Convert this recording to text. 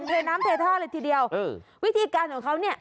เทน้ำเทท่าเลยทีเดียวเออวิธีการของเขาเนี่ย